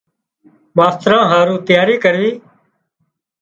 ماستران هارُو تياري ڪروِي۔